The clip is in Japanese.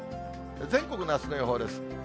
全国のあすの予報です。